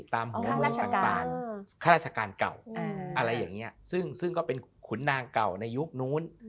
หัวเมืองต่างข้าราชการเก่าอะไรอย่างนี้ซึ่งก็เป็นขุนนางเก่าในยุคนู้น